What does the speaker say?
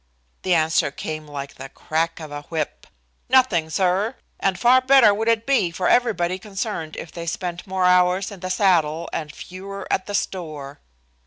The answer came like the crack of a whip: "Nothing, sir; and far better would it be for everybody concerned if they spent more hours in the saddle and fewer at the store."